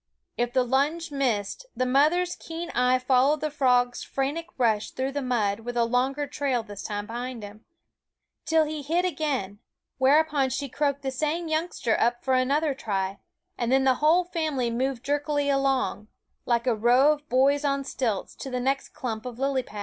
If the lunge missed, the mother's keen eye followed the frog's frantic rush through the mud, with a longer trail this time behind him, till he hid again; whereupon she croaked the same youngster up for another try, and then the whole family moved ^^ jerkily along, like a row of boys on stilts, to the next clump of lily pads.